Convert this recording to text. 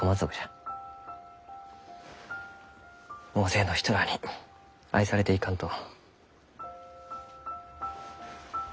大勢の人らあに愛されていかんと。